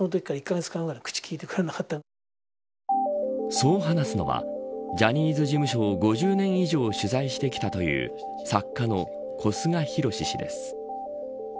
そう話すのはジャニーズ事務所を５０年以上取材してきたという作家の小菅宏氏です。